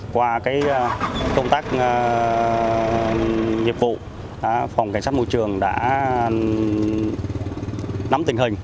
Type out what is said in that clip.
qua công tác nghiệp vụ phòng cảnh sát môi trường đã nắm tình hình